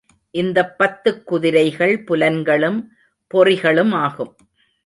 இந்தப் பத்துக் குதிரைகள் புலன்களும் பொறிகளுமாகும்.